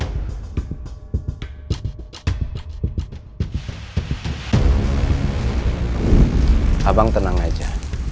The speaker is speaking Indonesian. abang tenang aja